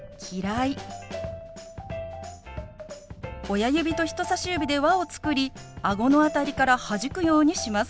親指と人さし指で輪をつくりあごの辺りからはじくようにします。